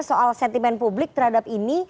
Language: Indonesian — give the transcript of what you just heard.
soal sentimen publik terhadap ini